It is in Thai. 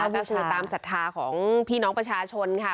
ก็คือตามศรัทธาของพี่น้องประชาชนค่ะ